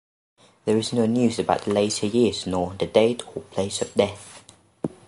There is no news about the later years, nor the date or place of death.